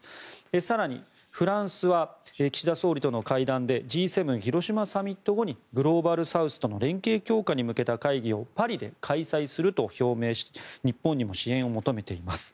更に、フランスは岸田総理との会談でＧ７広島サミット後にグローバルサウスとの連携強化に向けた会議をパリで開催すると表明し日本にも支援を求めています。